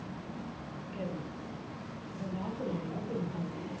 けどそれはあくまでよく似た男。